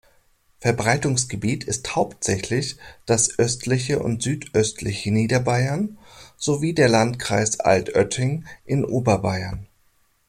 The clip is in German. Verbreitungsgebiet ist hauptsächlich das östliche und südöstliche Niederbayern sowie der Landkreis Altötting in Oberbayern.